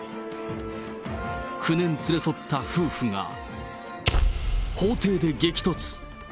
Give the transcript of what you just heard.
９年連れ添った夫婦が、法廷で激突。